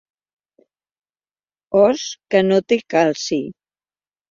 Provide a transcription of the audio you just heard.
Os que no té calci.